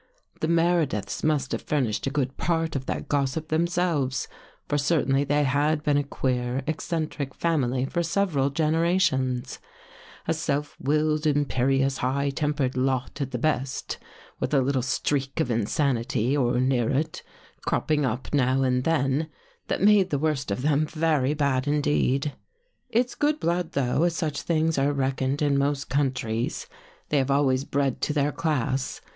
" The Meredith's must have furnished a good part of that gossip themselves, for certainly they had been a queer, eccentric family for several gen erations — a self willed, imperious, high tempered lot at the best, with a little streak of insanity, or near it, cropping up now and then, that made the worst of them very bad indeed. " It's good blood though, as such things are reckoned in most countries. They have always bred to their class.